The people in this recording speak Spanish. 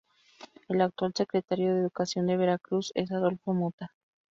El actual secretario de Educación de Veracruz es Adolfo Mota.